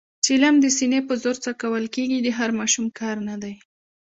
چلم د سینې په زور څکول کېږي، د هر ماشوم کار نه دی.